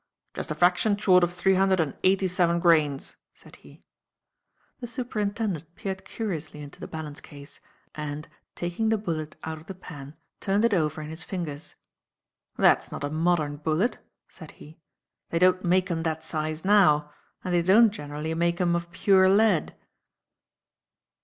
"Just a fraction short of three hundred and eighty seven grains," said he. The Superintendent peered curiously into the balance case, and, taking the bullet out of the pan, turned it over in his fingers. "That's not a modern bullet," said he. "They don't make 'em that size now, and they don't generally make 'em of pure lead."